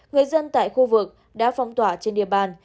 người dân tại khu vực đã phong tỏa trên địa bàn